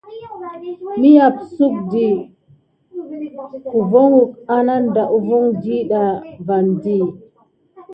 Mopsukdi ahiku anaɗa uvon ɗiɗa á naɗa di.